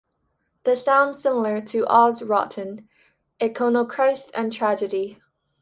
They sound similar to Aus Rotten, Econochrist and Tragedy.